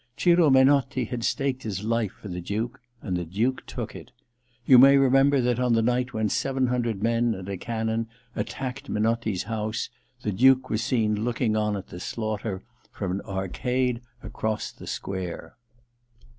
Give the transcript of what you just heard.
Ciro Menotti had staked his life for the Duke — and the Duke took it. You may remember that,^ on the night II THE LETTER 241 when seven hundred men and a cannon attacked Menotti's house, the Duke was seen looking on at the slaughter from an arcade across the square.